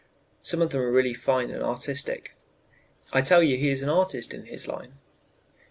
Some of them are really fine and artistic. I tell you he is an artist in his line.